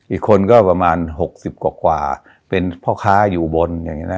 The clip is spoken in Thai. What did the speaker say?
อีกคนก็ประมาณ๖๐กว่าเป็นพ่อค้าอยู่บน